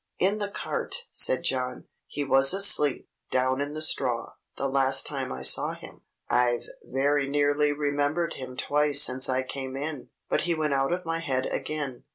"In the cart," said John. "He was asleep, down in the straw, the last time I saw him. I've very nearly remembered him twice since I came in; but he went out of my head again."